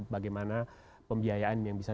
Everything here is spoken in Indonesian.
bagaimana pembiayaan yang bisa